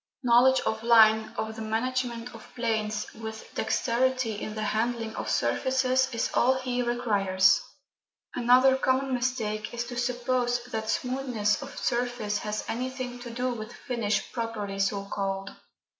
Knowledge of line, of the management of planes, with dexterity in the handling of surfaces, is all he requires. Another common mistake is to suppose that smoothness of surface has anything to do with finish properly so called.